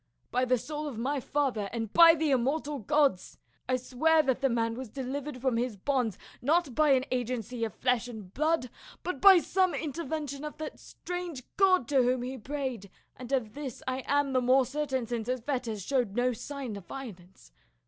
By the soul of my father, and by the immortal gods, I swear that the man was delivered from his bonds not by any agency of flesh and blood but by some inter vention of that strange God to whom he prayed, and of this I am the more certain since his fetters showed no sign of violence.